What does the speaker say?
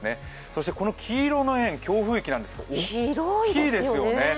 そしてこの黄色の円、強風域なんですが大きいですよね。